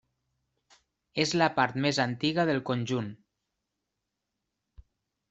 És la part més antiga del conjunt.